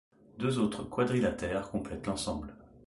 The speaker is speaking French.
Deux autres quadrilatères complètent l'ensemble.